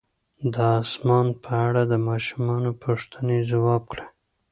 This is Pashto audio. د اسمان په اړه د ماشومانو پوښتنې ځواب کړئ.